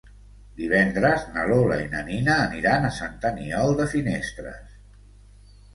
Divendres na Lola i na Nina aniran a Sant Aniol de Finestres.